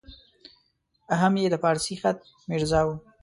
هم یې د فارسي خط میرزا وو.